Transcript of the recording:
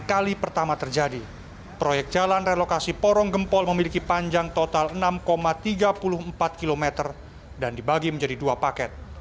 kali pertama terjadi proyek jalan relokasi porong gempol memiliki panjang total enam tiga puluh empat km dan dibagi menjadi dua paket